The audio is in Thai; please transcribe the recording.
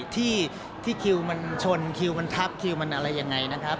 ที่คิวมันชนคิวมันทับคิวมันอะไรยังไงนะครับ